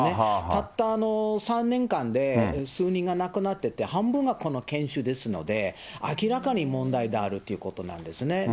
たった３年間で、数人が亡くなってて、半分がこの犬種ですので、明らかに問題であるということなんですね。